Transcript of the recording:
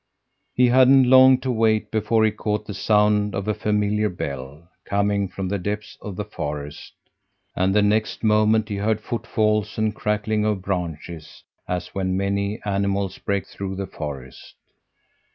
"He hadn't long to wait before he caught the sound of a familiar bell, coming from the depths of the forest, and the next moment he heard footfalls and crackling of branches as when many animals break through the forest.